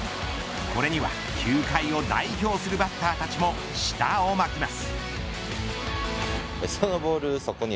これには、球界を代表するバッターたちも舌を巻きます。